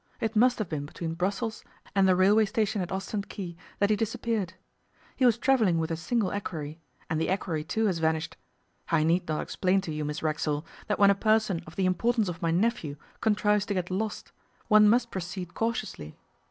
It must have been between Brussels and the railway station at Ostend Quay that he disappeared. He was travelling with a single equerry, and the equerry, too, has vanished. I need not explain to you, Miss Racksole, that when a person of the importance of my nephew contrives to get lost one must proceed cautiously.